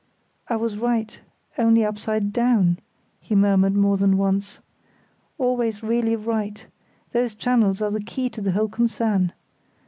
"I was right—only upside down," he murmured more than once. "Always really right—those channels are the key to the whole concern.